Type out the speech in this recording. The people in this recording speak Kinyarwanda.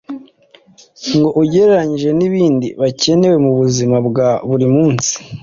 ngo ugereranyije n’ibindi bakenera mu buzima bwa buri munsi